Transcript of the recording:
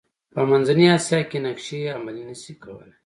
په منځنۍ اسیا کې نقشې عملي نه شي کولای.